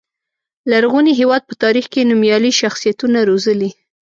لرغوني هېواد په تاریخ کې نومیالي شخصیتونه روزلي.